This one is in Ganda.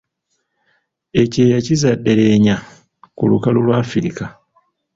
Ekyeya kizadde leenya ku lukalu lwa "Africa".